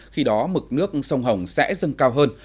khi đó mực nước sông hồng sẽ dâng cao hơn